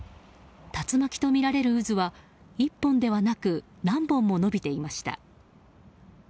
竜巻とみられる渦は１本ではなく何本も延びていました。